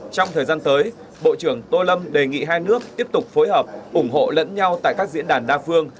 trong thời gian tới bộ trưởng tô lâm đề nghị hai nước tiếp tục phối hợp ủng hộ lẫn nhau tại các diễn đàn đa phương